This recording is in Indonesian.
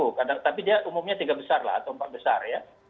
kadang kadang dia di nomor satu tapi dia umumnya tiga besar atau empat besar ya